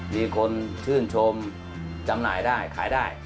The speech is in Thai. มีคนชื่นชมจำหน่ายได้ขายได้